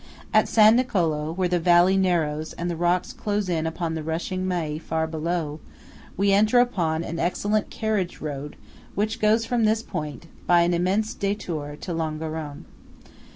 At San Nicolo, where the valley narrows and the rocks close in upon the rushing Maé far below, we enter upon an excellent carriage road which goes from this point, by an immense détour, to Longarone.